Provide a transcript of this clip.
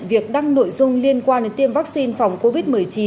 việc đăng nội dung liên quan đến tiêm vaccine phòng covid một mươi chín